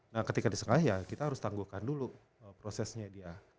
nah ketika di setengah ya kita harus tangguhkan dulu prosesnya dia